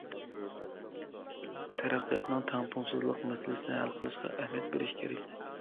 تەرەققىياتنىڭ تەڭپۇڭسىزلىق مەسىلىسىنى ھەل قىلىشقا ئەھمىيەت بېرىش كېرەك.